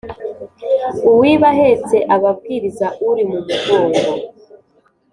Uwiba ahetse ababwiriza uri mumugongo